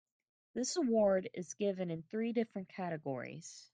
This award is given in three different categories.